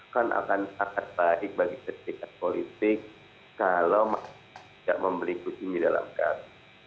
kan akan sangat baik bagi ketika politik kalau masih tidak memberi kusim di dalam kartu